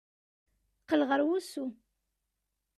Qqel ɣer wusu!